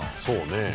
そうね。